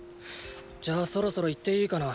じゃあそろそろ行っていいかな。